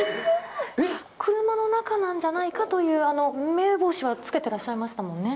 車の中なんじゃないかというめぼしは付けてらっしゃいましたもんね。